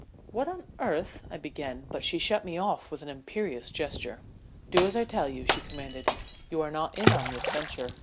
"What on earth " I began, but she shut me off with an imperious gesture. "Do as I tell you," she commanded. "You are not in on this venture."